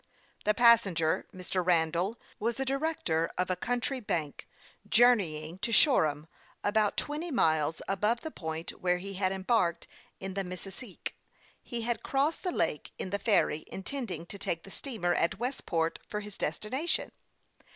The passenger, Mr. Randall, was a director of a country bank, journeying to Shoreham, about twenty miles above the point where he had embarked in the Missisque. He had crossed the lake in the ferry, intending to take the steamer at Westport for his destination.